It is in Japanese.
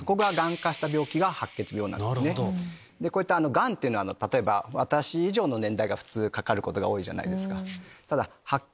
がんっていうのは例えば私以上の年代がかかることが多いじゃないですか。